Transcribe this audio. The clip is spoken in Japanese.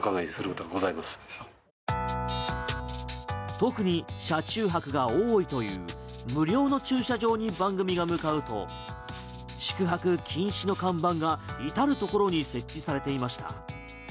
特に車中泊が多いという無料の駐車場に番組が向かうと宿泊禁止の看板が至るところに設置されていました。